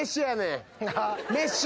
メッシ。